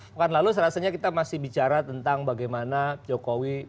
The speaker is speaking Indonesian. mungkin lalu rasanya kita masih bicara tentang bagaimana jokowi